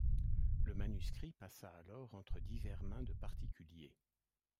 Le manuscrit passa alors entre divers mains de particuliers.